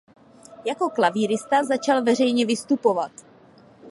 Jako klavírista začal veřejně vystupovat.